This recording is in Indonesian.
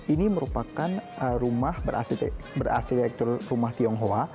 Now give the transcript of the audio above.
ini merupakan rumah berarsitektur rumah tionghoa